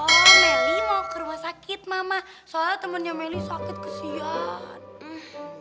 oh melly mau ke rumah sakit mama soalnya temennya melly sakit kesian